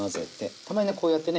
たまにねこうやってね